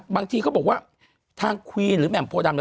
เขาบอกว่าทางควีนหรือแหม่มโพดำ